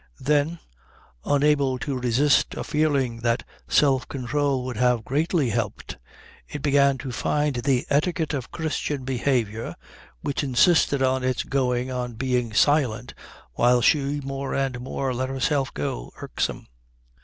Then, unable to resist a feeling that self control would have greatly helped, it began to find the etiquette of Christian behaviour, which insisted on its going on being silent while she more and more let herself go, irksome.